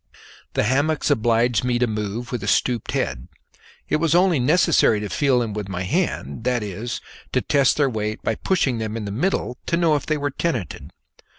The hammocks obliged me to move with a stooped head; it was only necessary to feel them with my hand that is, to test their weight by pushing them in the middle to know if they were tenanted.